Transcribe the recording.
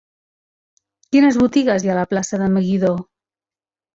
Quines botigues hi ha a la plaça de Meguidó?